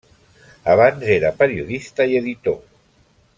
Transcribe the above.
Abans era periodista i editor.